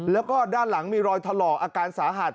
แล้วก็ด้านหลังมีรอยถลอกอาการสาหัส